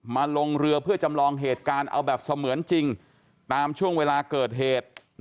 ลงเรือเพื่อจำลองเหตุการณ์เอาแบบเสมือนจริงตามช่วงเวลาเกิดเหตุ